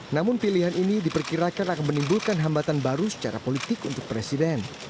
namun pilihan ini diperkirakan akan menimbulkan hambatan baru secara politik untuk presiden